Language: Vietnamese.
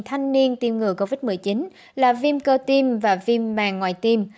thanh niên tiêm ngừa covid một mươi chín là viêm cơ tiêm và viêm màng ngoài tiêm